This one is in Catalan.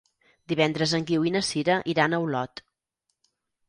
Divendres en Guiu i na Sira iran a Olot.